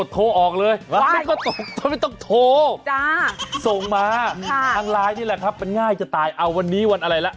ทางลายนี่แหละครับมันง่ายจะตายวันนี้วันอะไรล่ะ